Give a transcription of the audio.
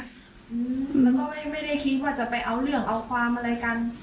แล้วก็ไม่ได้คิดว่าจะไปเอาเรื่องเอาความอะไรกัน